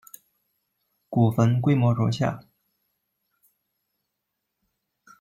古坟规模如下。